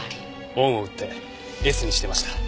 恩を売ってエスにしてました。